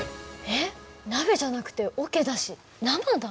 えっ鍋じゃなくておけだし生だ。